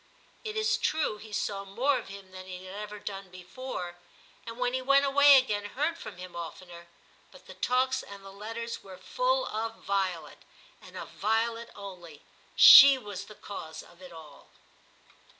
It is true, he saw more of him than he had ever done before, and when he went away again, heard from him oftener ; but the talks and the letters were full of Violet, and of Violet only ; she was the cause of it all.